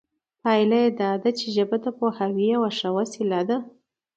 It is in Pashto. پایله دا ده چې ژبه د پوهاوي یوه ښه وسیله ده